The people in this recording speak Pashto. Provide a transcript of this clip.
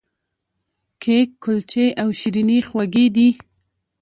کیک، کلچې او شیریني خوږې دي.